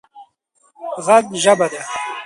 ږغ ژبه ده